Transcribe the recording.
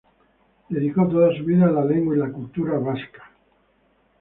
Dedicó toda su vida a la lengua y la cultura vascas.